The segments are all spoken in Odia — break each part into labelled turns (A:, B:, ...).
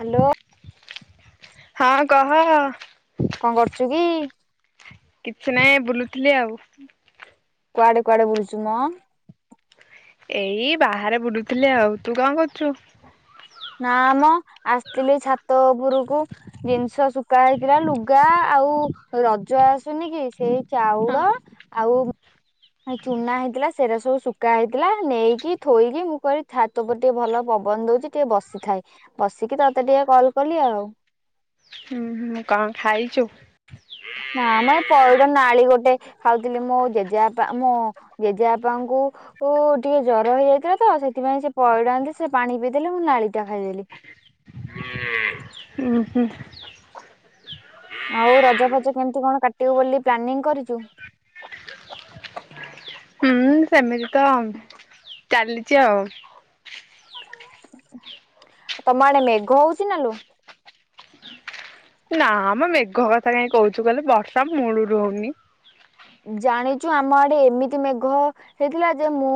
A: ହ୍ୟାଲୋ
B: ହଁ କହ?
A: କଣ କରୁଚୁ କି?
B: କିଛି ନାହିଁ, ବୁଲୁଥିଲି ଆଉ।
A: କୁଆଡେ କୁଆଡେ ବୁଲୁଚୁ ମ?
B: ଏଇ ବାହାରେ ବୁଲୁଥିଲି ଆଉ, ତୁ କଣ କରୁଚୁ?
A: ନା ମ, ଆସିଥିଲି ଛାତ ଉପୁରୁକୁ। ଜିନିଷ ଶୁଖା ହେଇଥିଲା ଲୁଗା, ଆଉ ରଜ ଆସୁନି କି, ସେଇ ଚାଉଳ, ଆଉ ଚୁନା ହେଇଥିଲା, ସେରା ସବୁ ଶୁଖା ହେଇଥିଲା, ନେଇକି ଥୋଇକି, ମୁଁ କହିଲି ଛା ତ, ଉପରେ ଟିକେ ଭଲ ପବନ ଦଉଛି, ଟିକେ ବସିଥାଏ, ବସିକି ତତେ ଟିକେ କଲ କଲି ଆଉ।
B: ହୁଁ ହୁଁ, କଣ ଖାଇଚୁ?
A: ନାଁ ମ, ଏ ପଇଡ ନାଳି ଗୋଟେ ଖାଉଥିଲି, ମୋ ଜେଜେବାପା ମୋ ଜେଜେବାପାଙ୍କୁ ଓ, ଟିକେ ଜର ହେଇଯାଇଥିଲା ତ, ସେଥିପାଇଁ ସେ ପଇଡ ଆଣିଥିଲେ, ସେ ପାଣିକି ପିଇଦେଲେ, ମୁଁ ନାଳି ଟା ଖାଇଦେଲି।
B: ଉଁ ହୁଁ।
A: ଆଉ ରଜ ଫଜ କେମିତି କଣ କାଟିବୁ ବୋଲି ପ୍ଲାନିଂ କରିଚୁ?
B: ହୁଁ ସେମିତି ତ ଆଉ, ଚାଲିଛି ଆଉ।
A: ଆଉ ତମ ଆଡେ ମେଘ ହଉଛି ନା ଲୋ?
B: ନା ମ, ମେଘ କଥା କାଇଁ କହୁଛୁ କହିଲୁ, ବର୍ଷା ମୂଳରୁ ହଉନି।
A: ଜାଣିଚୁ, ଆମ ଆଡେ ଏମିତି ମେଘ ହେଇଥିଲା ଯେ, ମୁଁ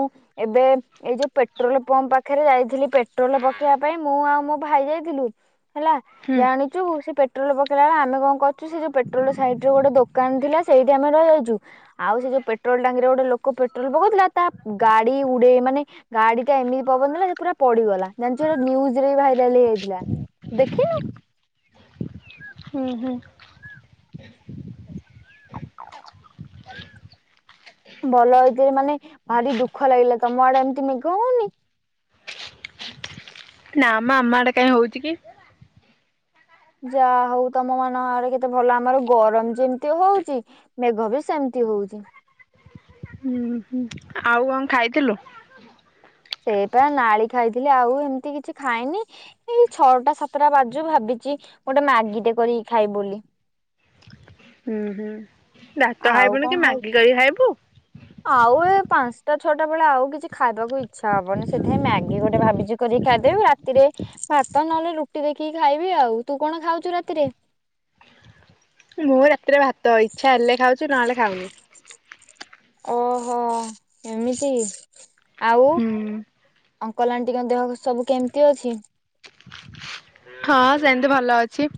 A: ଏବେ, ଏଇ ଯୋଉ ପେଟ୍ରୋଲ ପମ୍ପ ପାଖରେ ଯାଇଥିଲି ପେଟ୍ରୋଲ ପକେଇବା ପାଇଁ, ମୁଁ ଆଉ ମୋ ଭାଇ ଯାଇଥିଲୁ। ହେଲା। ଜାଣିଚୁ, ସେ ପେଟ୍ରୋଲ ପକେଇଲା ବେଳେ ଆମେ କଣ କରୁଛୁ ସେ ଯୋଉ ପେଟ୍ରୋଲ ସାଇଡ ରେ ଗୋଟେ ଦୋକାନ ଥିଲା, ସେଇଠି ଆମେ ରହି ଯାଇଛୁ। ଆଉ ସେ ଯୋଉ ପେଟ୍ରୋଲ ଟାଙ୍କିରେ ଗୋଟେ ଲୋକ ପେଟ୍ରୋଲ ପକଉଥିଲା, ତା ଗାଡି ଉଡେଇ ମାନେ ଗାଡି ଟା, ଏମିତି ପବନଦେଲା ଯେ ପୁରା ପଡିଗଲା, ଜାଣିଛୁ ଏଇଟା ନ୍ୟୁଜ ରେ ଭାଇରାଲ ହେଇଯାଇଥିଲା। ଦେଖିନୁ?
B: ହୁଁ ହୁଁ।
A: ଭଲ ହେଇଛି ମାନେ ଭାରି ଦୁଃଖ ଲାଗିଲା, ତମ ଆଡେ ଏମିତି ମେଘ ହଉନି?
B: ନା ମ, ଆମ ଆଡେ କାଇଁ ହଉଚି କି?
A: ଯାହା ହଉ ତମ ମାନଙ୍କ ଆଡେ କେତେ ଭଲ, ଆମର ଗରମ ଯେମିତି ହଉଚି ମେଘ ବି ସେମିତି ହଉଚି।
B: ହୁଁ ଆଉ କଣ ଖାଇଥିଲୁ?
A: ସେଇପା ନାଳି ଖାଇଥିଲି, ଆଉ ଏମିତି କିଛି ଖାଇନି। ଏଇ ଛଅଟା ସାତଟା ବାଜୁ, ଭାବିଚି ଗୋଟେ ମାଗିଟେ କରିକି ଖାଇବି ବୋଲି।
B: ହୁଁ ହୁଁ, ଭାତ
A: ଆଉ
B: ଖାଇବୁନି
A: କଣ
B: କି,
A: ଖାଇବି
B: ମାଗି କରିକି ଖାଇବୁ?
A: ଆଉ ଏ ପାଞ୍ଚଟା ଛଅଟା ବେଳେ ଆଉ କିଛି ଖାଇବାକୁ ଇଛା ହବନି, ସେଥିପାଇଁ ମ୍ୟାଗି ଗୋଟେ ଭାବିଛି କରି ଖାଇଦେବି, ରାତିରେ ଭାତ ନହେଲେ ରୁଟି ଦେଖିକି ଖାଇବି ଆଉ, ତୁ କଣ ଖାଉଛୁ ରାତିରେ?
B: ମୁଁ ରାତିରେ ଭାତ, ଇଛା ହେଲେ ଖାଉଛି, ନହେଲେ ଖାଉନି।
A: ଓହୋ ଏମିତି, ଆଉ
B: ହୁଁ
A: ଅଙ୍କଲ ଆଣ୍ଟି ଙ୍କ ଦେହ ସବୁ କେମିତି ଅଛି?
B: ହଁ, ସେମିତି ଭଲ ଅଛି।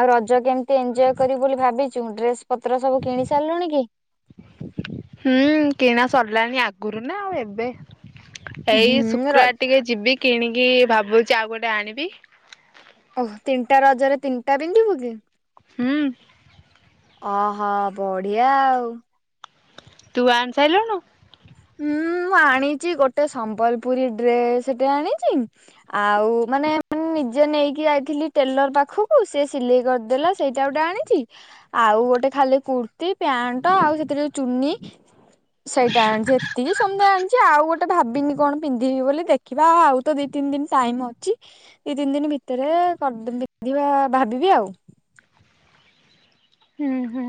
A: ଆଉ ରଜ କେମିତି ଏଞ୍ଜୟ କରିବୁ ବୋଲି ଭାବିଚୁ? ଡ୍ରେସ ପତ୍ର ସବୁ କିଣି ସାରିଲୁଣି କି?
B: ହୁଁ କିଣା ସରିଲାଣି ଆଗରୁ ନା ଏବେ। ଏଇ
A: ହୁଁ ର
B: ଶୁକ୍ରବାରେ ଟିକେ ଯିବି କିଣିକି ଭାବୁଚି ଆଉ ଗୋଟେ ଆଣିବି।
A: ଓ ହୋ। ତିନିଟା ରଜରେ ତିନିଟା ପିନ୍ଧିବୁ କି?
B: ହୁଁ।
A: ଅ ହ। ବଢିଆ ଆଉ।
B: ତୁ ଆଣି ସାଇଲୁଣୁ?
A: ହୁଁ ମୁଁ ଆଣିଚି ଗୋଟେ ସମ୍ବଲପୁରୀ ଡ୍ରେସଟେ ଆଣିଚି। ଆଉ ମାନେ ମୁଁ ନିଜେ ନେଇକି ଯାଇଥିଲି ଟେଲର ପାଖକୁ ସେ ସିଲେଇ କରିଦେଲା। ସେଇଟା ଗୋଟେ ଆଣିଚି। ଆଉ ଗୋଟେ ଖାଲି କୁର୍ତ୍ତି ପ୍ୟାଣ୍ଟ ଆଉ ସେଥିରେ ଚୁନି ସେଇଟା ଆଣିଚି। ଇଏ ସମୁଦାଏ ଆଣିଚି ଆଉ ଗୋଟେ ଭାବିନି କଣ ପିନ୍ଧିବି ବୋଲି, ଦେଖିବା ଆଉ ତ ଦି ତିନି ଦିନ ଟାଇମ୍ ଅଛି। ଦି ତିନି ଦିନ ଭିତରେ କଣ ପିନ୍ଧିବା ଭାବିବି ଆଉ।
B: ହୁଁ ହୁଁ।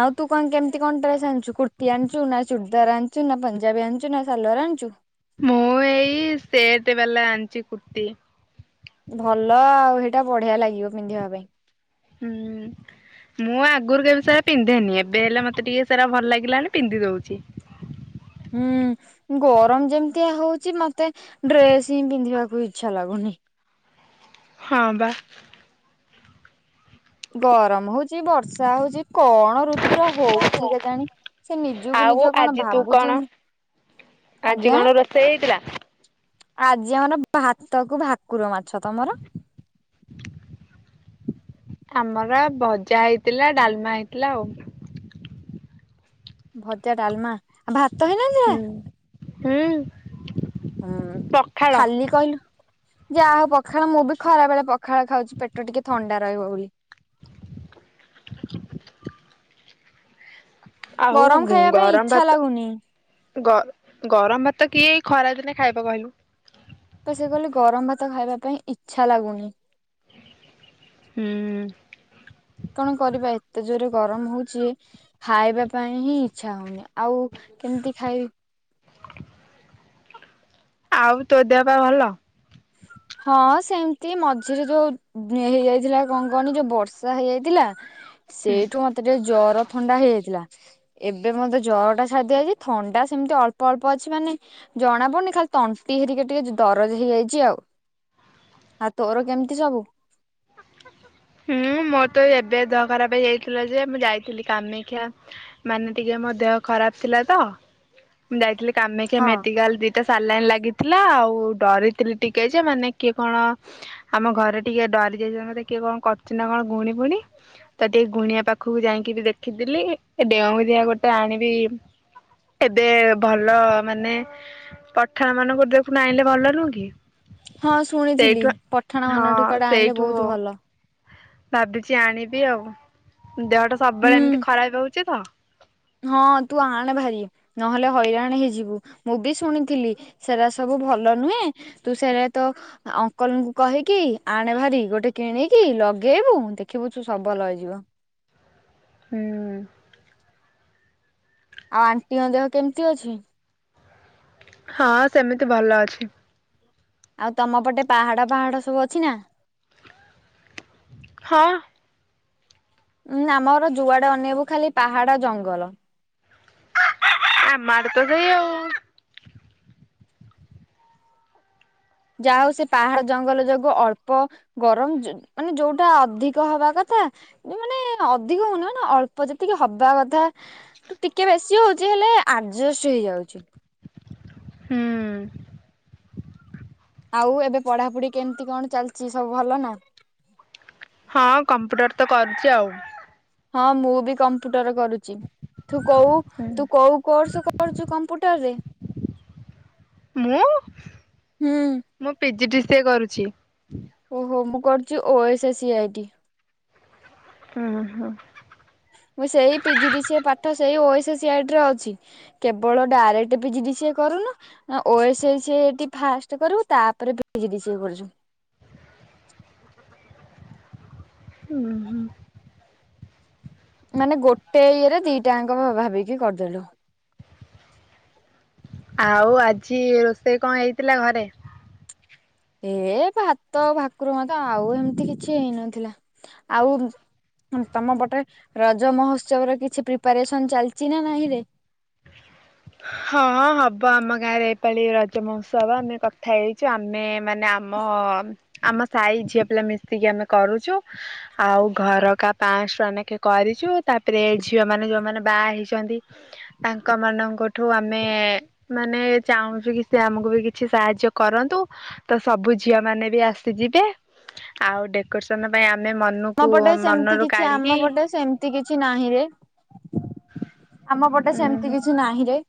A: ଆଉ ତୁ କଣ କେମିତି କଣ ଡ୍ରେସ ଆଣିଚୁ? କୁର୍ତି ଆଣିଚୁ ନା ଚୁରଦାର୍ ଆଣିଚୁ ନା ପଞ୍ଜାବୀ ଆଣିଚୁ ନା ସାଲୱାର୍ ଆଣିଚୁ?
B: ମୁଁ ଏଇ ସେଟ ବାଲା ଆଣିଚି କୁର୍ତ୍ତୀ।
A: ଭଲ ଆଉ ହେଟା ବଢିଆ ଲାଗିବ ପିନ୍ଧିବା ପାଇଁ।
B: ହୁଁ। ମୁଁ ଆଗରୁ କେବେ ସେରା ପିନ୍ଧେନି। ଏବେ ହେଲେ ମତେ ଟିକେ ସେରା ଭଲ ଲାଗିଲାଣି ପିନ୍ଧି ଦଉଚି।
A: ହୁଁ, ଗରମ ଯେମିତିଆ ହଉଚି ମତେ ଡ୍ରେସ ହିଁ ପିନ୍ଧିବାକୁ ଇଚ୍ଛା ଲାଗୁନି।
B: ହଁ ବା।
A: ଗରମ ହଉଚି ବର୍ଷା ହଉଚି କ ହଁ ଋତୁର ହଉଚି କେଜାଣି, ସେ ନିଜକୁ
B: ଆଉ
A: ନିଜ କଣ ଭାବୁଚି
B: ଆଣ୍ଟି କଣ ରୋଷେଇ ହେଇଥିଲା?
A: ଆଜି ଆମର ଭାତ କୁ ଭାକୁର ମାଛ। ତମର?
B: ଆମର ଭଜା ହେଇଥିଲା ଡାଲମା ହେଇଥିଲା ଆଉ।
A: ଭଜା ଡାଲମା ଆଉ ଭାତ ହେଇ
B: ହୁଁ ହୁଁ।
A: ହୁଁ,
B: ପଖାଳ
A: ଖାଲିି କହିଲୁ ଯାହା ହଉ ପଖାଳ ମୁଁ ବି ଖରା ବେଳେ ପଖାଳ ଖାଉଚି ପେଟ ଟିକେ ଥଣ୍ଡା ରହିବ ବୋଲି।
B: [inaudible] ଆଉ
A: ଗରମ ଖାଇବା ପାଇଁ
B: ଗରମ
A: ଇଚ୍ଛା
B: ଭାତ
A: ଲାଗୁନି
B: ଗ ଗରମ ଭାତ କିଏ ଏ ଖରାଦିନେ ଖାଇବ କହିଲୁ।
A: ତ ସେ କହିଲେ ଗରମ ଭାତ ଖାଇବା ପାଇଁ ଇଚ୍ଛା ଲାଗୁନି।
B: ହୁଁ।
A: କଣ କରିବା ଏତେ ଜୋରେ ଗରମ ହଉଚି। ଖାଇବା ପାଇଁ ହିଁ ଇଛା ହଉନି, ଆଉ କେମିତି ଖାଇବି।
B: ଆଉ ତୋ ଦେହ ପା ଭଲ?
A: ହଁ ସେମତି ମଝିରେ ଯୋଉ ହେଇଯାଇଥିଲା କଣ କହନି ଯୋଉ ବର୍ଷା ହେଇଯାଇଥିଲା
B: ହୁଁ।
A: ସେଇଠୁ ମତେ ଟିକେ ଜର ଥଣ୍ଡା ହେଇଯାଇଥିଲା। ଏବେ ମତେ ଜର ଟା ଛାଡିଯାଇଚି। ଥଣ୍ଡା ସେମିତି ଅଳ୍ପ ଅଳ୍ପ ଅଛି ମାନେ ଜଣା ପଡୁନି ଖାଲି ତଣ୍ଟି ହେରିକା ଟିକେ ଦରଜ ହେଇଯାଇଚି ଆଉ। ଆଉ ତୋର କେମତି ସବୁ?
B: ହୁଁ ମୋର ତ ଏବେ ଦେହ ଖରାପ୍ ଯାଇଥିଲା ଯେ ମୁଁ ଯାଇଥିଲି କାମେକ୍ଷା। ମାନେ ଟିକେ ମୋ ଦେହ ଖରାପ ଥିଲା ତ, ମୁଁ ଯାଇଥିଲି କାମାକ୍ଷା
A: ହଁ।
B: ମେଡିକାଲ ଦି ଟା ସାଲାଇନ୍ ଲାଗିଥିଲା ଆଉ ଡରିଥିଲି ଟିକେ ଯେ ମାନେ କିଏ କଣ ଆମ ଘରେ ଟିକେ ଡରି ଯାଇଚନ୍ତି କିଏ କଣ କରିଚି ନା କଣ ଗୁଣି ଫୁଣି। ତ ଟିକେ ଗୁଣିଆ ପାଖକୁ ଯାଇଁକିରି ଦେଖିଥିଲି ଏ ଡେଉଁରିଆ ଗୋଟେ ଆଣିବି ଏବେ ଭଲ ମାନେ ପଠାଣ ମାନଙ୍କ ଦେପୁନା ଆଇଁଲେ ଭଲ ନୁହଁ କି।
A: ହଁ ଶୁଣିଥିଲି
B: ସେଇଠୁ
A: ପଠାଣ
B: ହଁ
A: ମାନଙ୍କଠୁ କୁଆଡେ ଆଣିଲେ ବହୁତ ଭଲ।
B: ଭାବିଚି ଆଣିବି ଆଉ ଦେହଟା
A: ହୁଁ
B: ସବୁବେଳେ ଏମିତି ଖରାପ ହଉଚି ତ।
A: ହଁ ତୁ ଆଣେ ଭାରି ନହେଲେ ହଇରାଣ ହେଇଯିବୁ ମୁଁ ବି ଶୁଣିଥିଲି ସେରା ସବୁ ଭଲ ନୁହେଁ ତୁ ସେରା ତ ଅଙ୍କଲଙ୍କୁ କହିକି ଆଣେ ଭାରି ଗୋଟେ କିଣିକି ଲଗେଇବୁ ଦେଖିବୁ ତୁ ସବ ଭଲ ହେଇଯିବ।
B: ହୁଁ।
A: ଆଉ ଆଣ୍ଟିଙ୍କ ଦେହ କେମିତି ଅଛି?
B: ହଁ ସେମିତି ଭଲ ଅଛି।
A: ଆଉ ତମ ପଟେ ପାହାଡ ପାହାଡ ସବୁ ଅଛି ନା?
B: ହଁ।
A: ଉୁଁ ଆମର ଯୁଆଡେ ଅନେଇବୁ ଖାଲି ପାହାଡ ଜଙ୍ଗଲ।
B: ଆମ ଆଡେ ତ ସେଇ ଆଉ।
A: ଯାହା ହଉ ସେ ପାହାଡ ଜଙ୍ଗଲ ଯୋଗୁ ଅଳ୍ପ ଗରମ ଯ ମାନେ ଯୋଉଟା ଅଧିକ ହବା କଥା ମାନେ ଅଧିକ ହଉନି ମାନେ ଅଳ୍ପ ଯେତିକି ହବା କଥା ଠୁ ଟିକେ ବେଶି ହଉଚି ହେଲେ ଆଡଜଷ୍ଟ୍ ହେଇଯାଉଚି।
B: ହୁଁ।
A: ଆଉ ଏବେ ପଢାପଢି କେମିତି କଣ ଚାଲିଚି ସବୁ ଭଲ ନା?
B: ହଁ କମ୍ପ୍ୟୁଟର୍ ତ କରୁଚି ଆଉ।
A: ହଁ ମୁଁ ବି କମ୍ପ୍ୟୁଟର୍ କରୁଚି। ତୁ କୋଉ ତୁ କୋଉ କୋର୍ସ କରୁଚୁ କମ୍ପ୍ୟୁଟର୍ ରେ?
B: ମୁଁ
A: ହୁଁ
B: ମୁଁ P G D C A କରୁଚି।
A: ଓହୋ ମୁଁ କରୁଚି ଓ ଏସେ ସି ଆଇ ଟି।
B: ଉଁ ହୁଁ।
A: ମୁଁ ସେଇ P G D C A ପାଠ ଓ ଏସେ ସି ଆଇ ଟି ରେ ଅଛି। କେବଳ direct P G D C A କରୁନୁ ଓ ଏସେ ସି ଆଇ ଟି ଫାଷ୍ଟ କରିବୁ ତାପରେ P G D C A କରୁଚୁ।
B: ଉଁ ହୁଁ।
A: ମାନେ ଗୋଟେ ଇଏରେ ଦିଟାଙ୍କ ଭାବିକି କରିଦେଲୁ।
B: ଆଉ ଆଜି ରୋଷେଇ କଣ ହେଇଥିଲା ଘରେ?
A: ଏ ଭାତ ଭାକୁର ମାଛ ଆଉ ଏମିତି କିଛି ହେଇନଥିଲା। ଆଉ ହୁଁ ତମ ପଟରେ ରଜ ମହୋତ୍ସବ ର କିଛି ପ୍ରିପାରେସନ୍ ଚାଲିଚି ନା ନାହିଁରେ?
B: ହଁ ହବ ଆମ ଗାଁରେ ଏଇପାଳି ରଜ ମହୋତ୍ସବ ଆମେ କ। କଥା ହେଇଚୁ ଆମେ ମାନେ ଆମ ଆମ ସାହି ଝିଅ ପିଲା ମିଶିକି ଆମେ କରୁଚୁ। ଆଉ ଘରକା ପାଁଶ ଟଙ୍କା ନେଖେଁ କରିଚୁ। ତାପରେ ଝିଅ ମାନେ ଯୋଉମାନେ ବାହା ହେଇଚନ୍ତି ତାଙ୍କ ମାନଙ୍କଠୁ ଆମେ ମାନେ। ଚାହୁଁଚୁ କି ସେ ଆମକୁ ବି କିଛି ସାହାଯ୍ୟ କରନ୍ତୁ। ତ ସବୁ ଝିଅ ମାନେ ବି ଆସିଯିବେ ଆଉ ଡେକରସନ୍ ପାଇଁ ଆମେ ମନକୁ ମନରୁ କାଢ଼ିକି
A: ମିତି କିଛି ନାହିଁ ରେ ଆମ ପଟେ ସେମିତି କିଛି ନାହିଁ ରେ।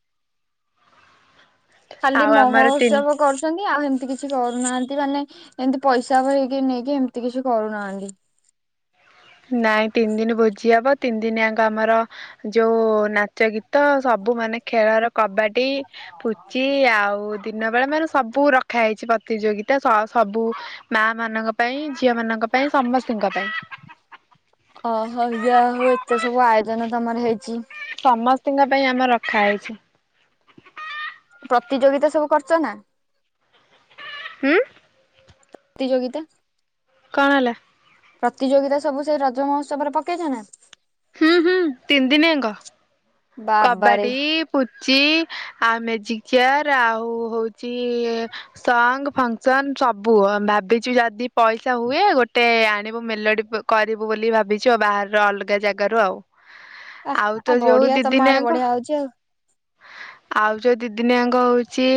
A: ଖାଲି
B: ଆଉ ଆମର ତିନି
A: ମହୋଉତ୍ସବ କରୁ ଛନ୍ତି ଆଉ ହେମିତି କିଛି କରୁନାହାନ୍ତି ମାନେ ଏମିତି ପଇସାକୁ ହେଇକି ନେଇକି ଏମିତି କିଛି କରୁନାହାନ୍ତି।
B: ନାଇଁ ତିନି ଦିନ ଭୋଜି ହବ ତିନି ଦିନ ଆଙ୍କ ଆମର ଯୋଉ ନା ନାଚ ଗୀତ ସବୁ ମାନେ ଖେଳର କବାଡ଼ି, ପୁଚି ଆଉ ଦିନ ବେଳେ ମାନେ ସବୁ ରଖା ହେଇଛି ପ୍ରତିଯୋଗିତା ସ ସବୁ। ମାଆ ମାନଙ୍କ ପାଇଁ ଝିଅ ମାନଙ୍କ ପାଇଁ ସମସ୍ତୀଙ୍କ ପାଇଁ।
A: ଓହୋ ଯାହା ହୋଉ ଏତେ ସବୁ ଆୟୋଜନ ତମର ହେଇଛି।
B: ସମସ୍ତିଙ୍କ ପାଇଁ ଆମର ରଖାହେଇଛି।
A: ପ୍ରତିଯୋଗିତା ସବୁ କରୁଛ ନା?
B: ହୁଁ।
A: ପ୍ରତିଯୋଗିତା।
B: କଣ ହେଲା?
A: ପ୍ରତିଯୋଗିତା ସବୁ ସେଇ ରଜ ମହୋତ୍ସବରେ ପକେଇଛ ନା?
B: ହୁଁ ହୁଁ ତିନି ଦିନି ଆଙ୍କ।
A: ବାବାରେ
B: କବାଡି, ପୁଚି ଆଉ ମେଜିକ୍ ଚେୟାର ଆଉ ହଉଛି ସଙ୍ଗ୍ ଫଙ୍ଗସନ ସବୁ ଭାବିଛୁ ଯଦି ପଇସା ହୁଏ ଗୋଟେ ଆଣିବୁ ମେଲୋଡି ପୋ କରିବୁ ବୋଲି ଭାବିଛୁ ବାହାରର ଅଲଗା ଜାଗାରୁ ଆଉ।
A: ଆ
B: ଆଉ ତ
A: ଆ
B: ଯୋଉ
A: ବଢିଆ
B: ଦି
A: ତମ ଆଡେ
B: ଦିନିଆଙ୍କ
A: ବଢିଆ ହଉଚି ଆଉ।
B: ଆଉ ଯୋଉ ଦି ଦିନିଆଙ୍କ ହଉଛି।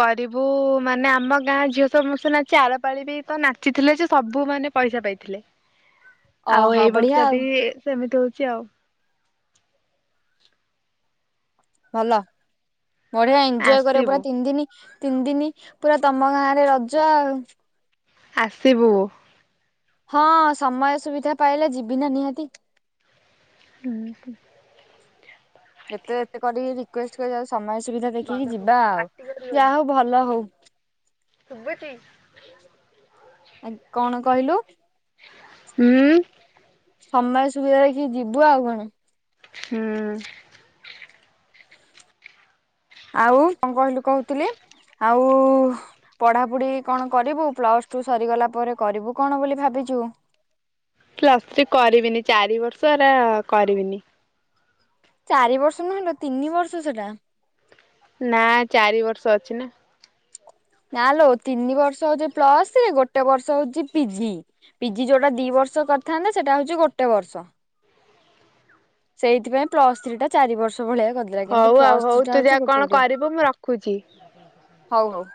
B: କରିବୁ ମାନେ ଆମ ଗାଁ ଝିଅ ସମସ୍ତେ ନାଚି ଆରପାଳି ବି ତ ନାଚିଥିଲେ ଯେ ସବୁ ମାନେ ପଇସା ପାଇଥିଲେ।
A: [inaudible]
B: ଆଉ ଏଇ
A: ବଢିଆ
B: ବର୍ଷ
A: ଆଉ
B: ବି ସେମିତି ହଉଛି ଆଉ।
A: ଭଲ ବଢିଆ ଏଞ୍ଜୟ୍ କରିବ
B: ଆସିବୁ
A: ପୁରା ତିନି ଦିନ। ତିନି ଦିନି ପୁରା ତମ ଗାଁ ରେ ରଜ ଆଉ।
B: ଆସିବୁ।
A: ହଁ ସମୟ ସୁବିଧା ପାଇଲେ ଯିବି ନା ନିହାତି।
B: [unintelligible]
A: ଏତେ ଏତେ କରିକି ରିକ୍ୟୁଏସ୍ଟ କରିକି ସମୟ ସୁବିଧା ଦେଖିକି ଯିବା ଆଉ ଯାହା ହଉ ଭଲ ହଉ।
B: ଶୁଭୁଚି?
A: ଆ କଣ କହିଲୁ?
B: ହୁଁ।
A: ସମୟ ସୁବିଧା ଦେଖିକି ଯିବୁ ଆଉ କଣ।
B: ହୁଁ।
A: ଆଉ କଣ କହିଲୁ କହୁଥିଲି ଆଉ ପଢାପଢି କଣ କରିବୁ ପ୍ଲସ ଟୁ ସରିଗଲା ପରେ କରିବୁ କଣ ବୋଲି ଭାବିଛୁ?
B: ପ୍ଲସଥ୍ରୀ କରିବିନି ଚାରି ବର୍ଷ ହେରା କରିବିନି।
A: ଚାରି ବର୍ଷ ନୁହେଁ ଲୋ ତିନି ବର୍ଷ ସେଟା।
B: ନା ଚାରି ବର୍ଷ ଅଛି ନା।
A: ନା ଲୋ ତିନି ବର୍ଷ ହଉଛି ପ୍ଲସଥ୍ରୀ ଗୋଟେ ବର୍ଷ ହଉଛି ପିଜି। ପିଜି ଯୋଉଁଟା ଦୁଇ ବର୍ଷ କରିଥାନ୍ତ ସେଇଟା ହେଉଛି ଗୋଟେ ବର୍ଷ। ସେଇଥି ପାଇଁ ପ୍ଲସ ଥ୍ରୀ ଟା ଚାରି ବର୍ଷ ଭଳିଆ କର
B: ହଉ ଆଉ ହଉ ତୁ ଯା କଣ କରିବୁ ମୁଁ ରଖୁଛି।
A: ହଉ ହଉ।